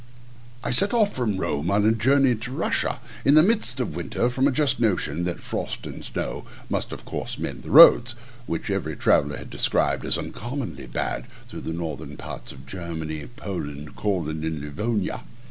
_ I set off from Rome on a journey to Russia, in the midst of winter, from a just notion that frost and snow must of course mend the roads, which every traveller had described as uncommonly bad through the northern parts of Germany, Poland, Courland, and Livonia.